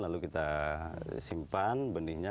lalu kita simpan benihnya